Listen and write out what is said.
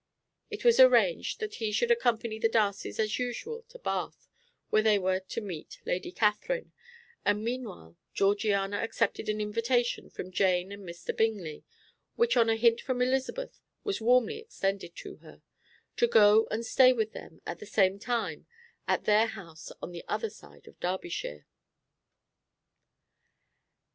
It was arranged that he should accompany the Darcys as usual to Bath, where they were to meet Lady Catherine, and meanwhile Georgiana accepted an invitation from Jane and Mr. Bingley, which on a hint from Elizabeth was warmly extended to her, to go and stay with them at the same time at their house on the other side of Derbyshire.